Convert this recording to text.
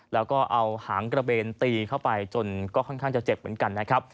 แล้วก็เอาหางกระเบนตีเข้าไปจนก็ค่อนข้างจะเจ็บเหมือนกันนะครับ